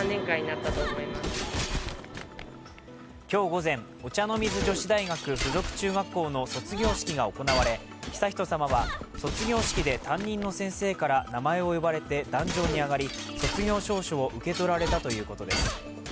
今日午前、お茶の水女子大学附属中学校の卒業式が行われ悠仁さまは卒業式で担任の先生から名前を呼ばれて壇上に上がり卒業証書を受け取られたということです。